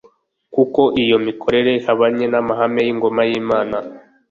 kuko iyo mikorere ihabanye n'amahame y'ingoma y'Imana.